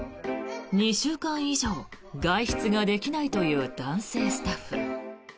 ２週間以上外出ができないという男性スタッフ。